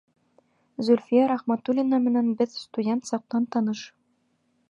Зөлфиә Рәхмәтуллина менән беҙ студент саҡтан таныш.